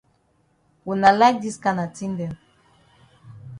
Wuna like dis kana tin dem.